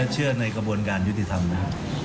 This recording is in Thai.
เชื่อในกระบวนการยุติธรรมนะครับ